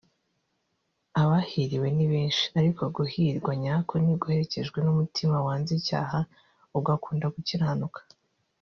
“Abahiriwe ni benshi ariko guhirwa nyako ni uguherekejwe n’umutima wanze icyaha ugakunda gukiranuka”